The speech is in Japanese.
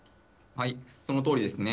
そのとおりですね。